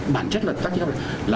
bản chất là đợt trĩ cấp là